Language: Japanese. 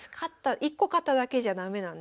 １個勝っただけじゃ駄目なんですね。